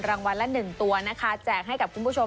รางวัลละ๑ตัวนะคะแจกให้กับคุณผู้ชม